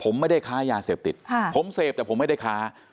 ผมไม่ได้ค้ายาเสพติดผมเสพแต่ผมไม่ได้ค้า